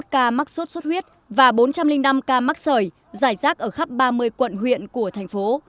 một ba trăm năm mươi một ca mắc sốt xuất huyết và bốn trăm linh năm ca mắc sởi giải rác ở khắp ba mươi quận huyện của thành phố